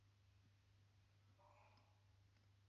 I began to tremble and do things hurriedly.